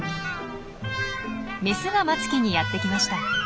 メスが待つ木にやって来ました。